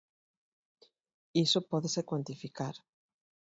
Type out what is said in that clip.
Iso pódese cuantificar.